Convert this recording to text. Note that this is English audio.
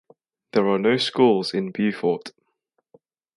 There are no schools in Beaufort.